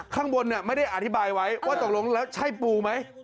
ข้างบนไม่ได้อธิบายไว้ว่าตกลงแล้วใช่ปูไหม